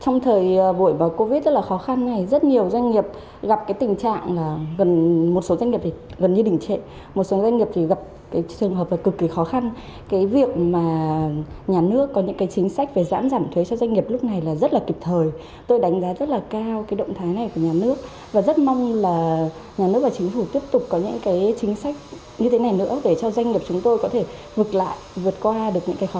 như thế này nữa để cho doanh nghiệp chúng tôi có thể vượt lại vượt qua được những cái khó khăn như thế này